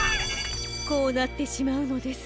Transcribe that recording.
こうなってしまうのです。